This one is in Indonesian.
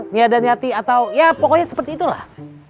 nia dan nyati atau ya pokoknya seperti itulah